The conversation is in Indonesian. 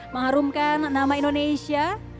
mengharumkan nama indonesia